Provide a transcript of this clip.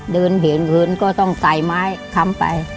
เดินเห็นพื้นก็ต้องใส่ไม้ค้ำไป